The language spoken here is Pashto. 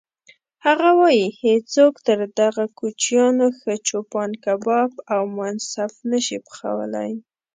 هغه وایي: هیڅوک تر دغو کوچیانو ښه چوپان کباب او منسف نه شي پخولی.